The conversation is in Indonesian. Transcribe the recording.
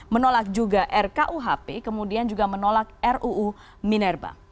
menolak juga rkuhp kemudian juga menolak ruu minerba